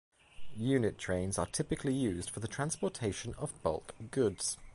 Unit trains are typically used for the transportation of bulk goods.